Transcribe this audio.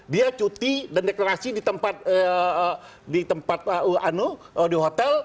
dia cuti dan deklarasi di tempat di hotel